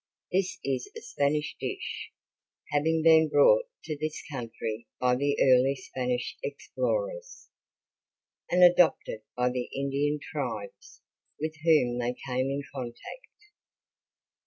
This is a Spanish dish, having been brought to this country by the early Spanish explorers, and adopted by the Indian tribes with whom they came in contact.